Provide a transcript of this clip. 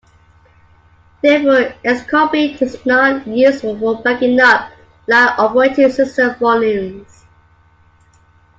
Therefore, Xcopy is not useful for backing up live operating system volumes.